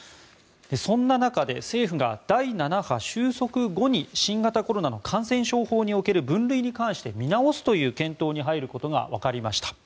そんな中で政府が第７波収束後に新型コロナの感染症法における分類に関して見直すという検討に入ることがわかりました。